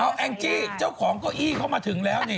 เอ้าแองจิเจ้าของก้อยี้เขามาถึงแล้วเนี่ย